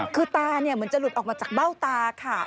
คือตาเหมือนจะหลุดออกมาจากเบ้าตาค่ะ